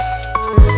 terima kasih ya allah